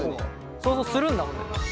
想像するんだもんね。